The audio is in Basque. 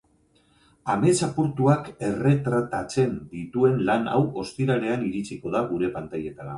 Amets apurtuak erretratatzen dituen lan hau ostiralean iritsiko da gure pantailetara.